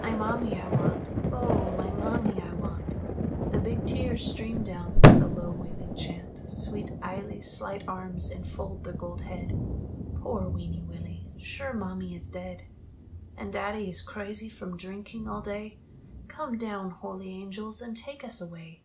"My mammie I want; oh! my mammie I want!" The big tears stream down with the low wailing chant. Sweet Eily's slight arms enfold the gold head: "Poor weeny Willie, sure mammie is dead And daddie is crazy from drinking all day Come down, holy angels, and take us away!"